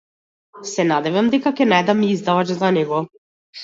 Се надевам дека ќе најдам издавач за него.